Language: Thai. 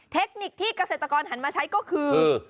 เทคนิคที่เกษตรกรหันมาใช้ก็คือ